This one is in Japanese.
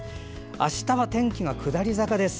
明日は天気が下り坂です。